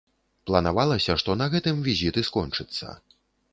Планавалася, што на гэтым візіт і скончыцца.